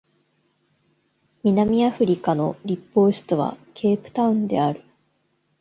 南アフリカの立法首都はケープタウンである